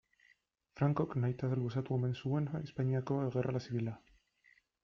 Francok nahita luzatu omen zuen Espainiako gerra zibila.